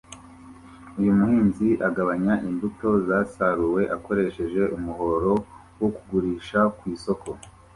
Uyu muhinzi agabanya imbuto zasaruwe akoresheje umuhoro wo kugurisha ku isoko